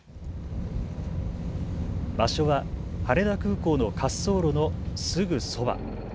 場所は羽田空港の滑走路のすぐそば。